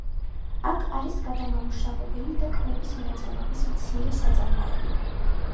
აქ არის გადამამუშავებელი და კვების მრეწველობის მცირე საწარმოები.